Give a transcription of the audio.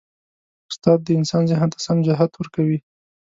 استاد د انسان ذهن ته سم جهت ورکوي.